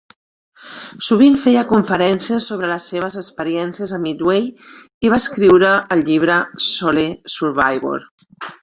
Sovint feia conferències sobre les seves experiències a Midway, i va escriure el llibre "Sole Survivor".